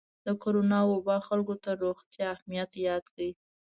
د کرونا وبا خلکو ته د روغتیا اهمیت یاد کړ.